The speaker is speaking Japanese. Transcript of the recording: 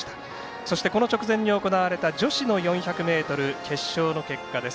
そしてこの直前にあった女子の４００ｍの決勝の結果です。